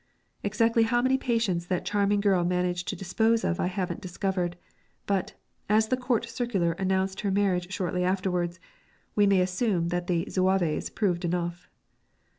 Exactly how many patients that charming girl managed to dispose of I haven't discovered, but, as the Court Circular announced her marriage shortly afterwards, we may assume that the Zouaves proved enough.